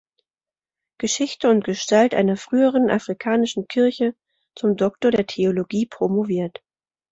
Geschichte und Gestalt einer frühen afrikanischen Kirche“ zum Doktor der Theologie promoviert.